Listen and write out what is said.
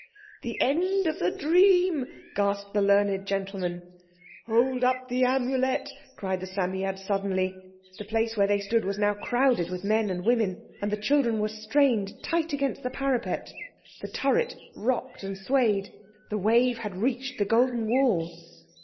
"The end of the dream," gasped the learned gentleman. "Hold up the Amulet," cried the Psammead suddenly. The place where they stood was now crowded with men and women, and the children were strained tight against the parapet. The turret rocked and swayed; the wave had reached the golden wall.